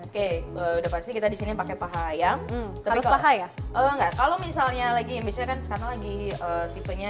oke udah pasti kita disini pakai paha ayam tapi kalau misalnya lagi misalkan sekarang lagi tipenya